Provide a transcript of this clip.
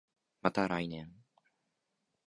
また来年